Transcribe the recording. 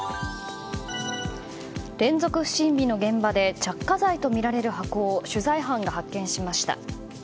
連続不審火の現場で着火剤とみられる箱を取材班が発見しました。